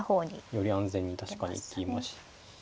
より安全に確かに行きました。